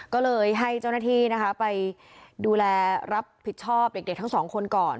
ก็เลยให้เจ้าหน้าที่นะคะไปดูแลรับผิดชอบเด็กทั้งสองคนก่อน